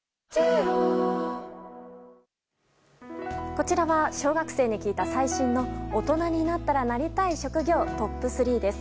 こちらは小学生に聞いた最新の大人になったらなりたい職業トップ３です。